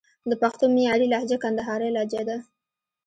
د پښتو معیاري لهجه کندهارۍ لجه ده